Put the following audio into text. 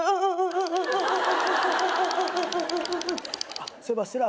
あっそういえば知ってる？